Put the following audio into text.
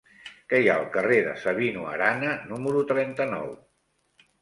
Què hi ha al carrer de Sabino Arana número trenta-nou?